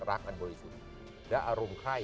รักอันโดยสุดและอารมณ์ไข้